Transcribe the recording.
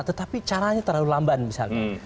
tetapi caranya terlalu lamban misalnya